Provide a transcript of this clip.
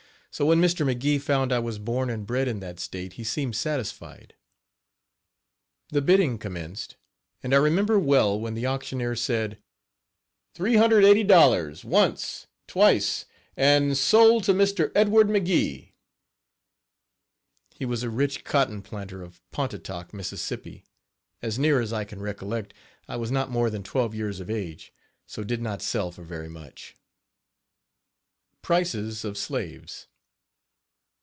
So when Mr. McGee found I was born and bred in that state he seemed satisfied. Page 12 The bidding commenced, and I remember well when the auctioneer said: "Three hundred eighty dollars once, twice and sold to Mr. Edward McGee." He was a rich cotton planter of Pontotoc, Miss. As near as I can recollect, I was not more than twelve years of age, so did not sell for very much. PRICE OF SLAVES.